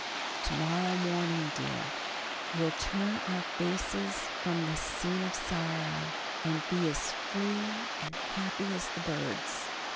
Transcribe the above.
To morrow morning, dear, we'll turn our faces from this scene of sorrow, and be as free and happy as the birds."